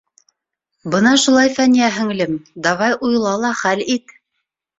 Бына шулай, Фәниә һеңлем, давай уйла ла хәл ит!